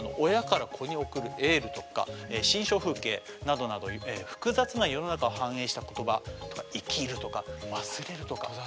親から子に送るエールとか心象風景などなど複雑な世の中を反映した言葉とか「生きる」とか「忘れる」とか。